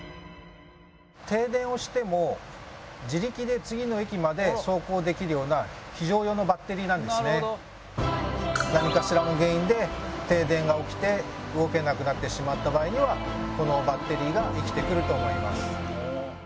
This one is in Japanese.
停電をしても自力で次の駅まで走行できるような何かしらの原因で停電が起きて動けなくなってしまった場合にはこのバッテリーが生きてくると思います。